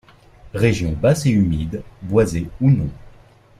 Régions basses et humides, boisées ou non.